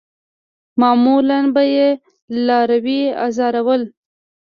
معمولاً به یې لاروي آزارول.